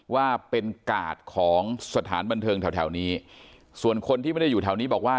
ว่าเป็นกาดของสถานบันเทิงแถวแถวนี้ส่วนคนที่ไม่ได้อยู่แถวนี้บอกว่า